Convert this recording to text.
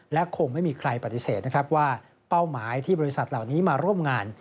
และคงไม่มีใครปฏิเสธนะครับว่าเป้าหมายที่บริษัทเหล่านี้มาร่วมงาน